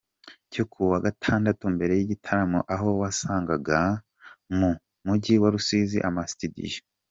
cyo kuwa gatandatu mbere yigitaramo aho wasangaga mu mujyi wa Rusizi ama studios.